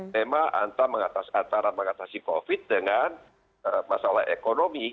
tema antara mengatasi covid dengan masalah ekonomi